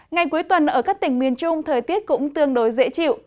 ngày cuối tuần ở các tỉnh miền trung thời tiết cũng tương đối dễ chịu